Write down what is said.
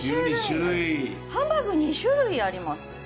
ハンバーグ２種類あります。